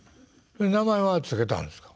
名前は付けたんですか？